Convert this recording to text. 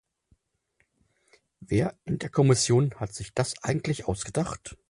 Wer in der Kommission hat sich das eigentlich ausgedacht?